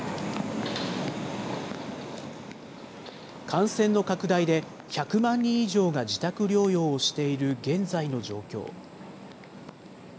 感染の拡大で、１００万人以上が自宅療養をしている現在の状況。